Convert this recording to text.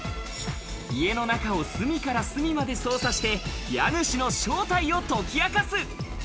家の中を隅から隅まで捜査して、家主の正体を解き明かす。